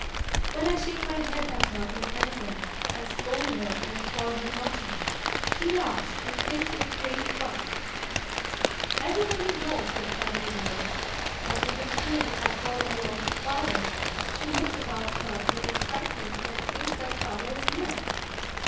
When I shake my head at her in anger and scold her and call her naughty, she laughs and thinks it great fun. Everybody knows that father is away, but if in play I call aloud "Father," she looks about her in excitement and thinks that father is near.